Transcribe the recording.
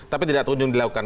tapi tidak terjunjung dilakukan